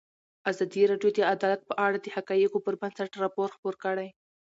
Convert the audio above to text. ازادي راډیو د عدالت په اړه د حقایقو پر بنسټ راپور خپور کړی.